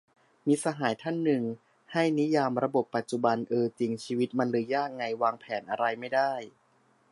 มิตรสหายท่านหนึ่ง ให้นิยามระบบปัจจุบัน เออจริง ชีวิตมันเลยยากไง วางแผนอะไรไม่ได้